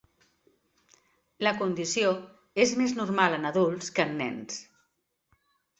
La condició és més normal en adults que en nens.